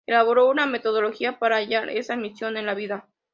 Elaboró una metodología para hallar esa misión en la vida.